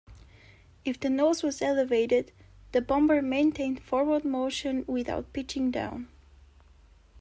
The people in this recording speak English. If the nose was elevated, the bomber maintained forward motion without pitching down.